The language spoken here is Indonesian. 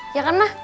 iya kan nah